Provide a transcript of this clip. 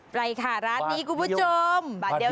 ไปค่ะร้านนี้คุณผู้ชม